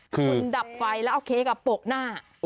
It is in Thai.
คุณดับไฟแล้วเอาเค้กปกหน้า